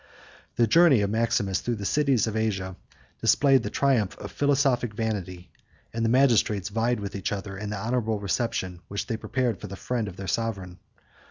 The journey of Maximus through the cities of Asia displayed the triumph of philosophic vanity; and the magistrates vied with each other in the honorable reception which they prepared for the friend of their sovereign.